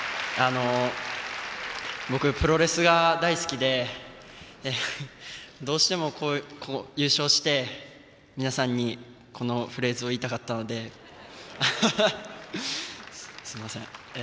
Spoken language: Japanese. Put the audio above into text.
僕、プロレスが大好きでどうしても、優勝して皆さんにこのフレーズを言いたかったので、すみません。